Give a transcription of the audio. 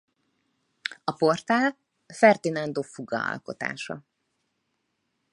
A portál Ferdinando Fuga alkotása.